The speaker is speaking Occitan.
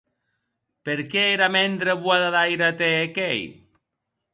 Per qué era mendre bohada d’aire te hè quèir?